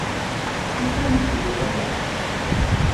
Amek armi i d-tenniḍ akka?